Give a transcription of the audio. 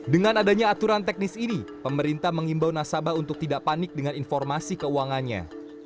dengan adanya aturan teknis ini pemerintah mengimbau nasabah untuk tidak panik dengan informasi keuangannya